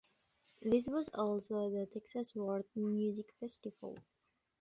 This was also the Texas World Music Festival.